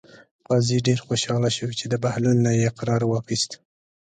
قاضي ډېر خوشحاله شو چې د بهلول نه یې اقرار واخیست.